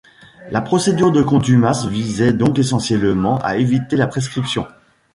La procédure de contumace visait donc essentiellement à éviter la prescription.